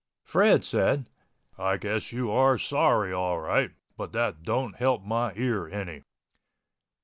Fred said, "I guess you are sorry all right—but that don't help my ear any."